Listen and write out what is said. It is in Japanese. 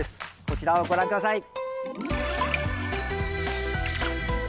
こちらをご覧下さい！